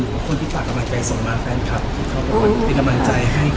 แล้วคนที่ฝากกำลังใจส่งมาแฟนคลับเป็นกำลังใจให้